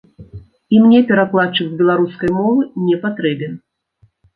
І мне перакладчык з беларускай мовы не патрэбен.